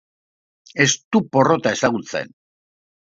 Ez du porrota ezagutzen.